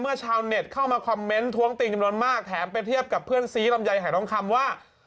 ชาวเน็ตเข้ามาคอมเมนต์ท้วงติงจำนวนมากแถมไปเทียบกับเพื่อนซีลำไยหายทองคำว่า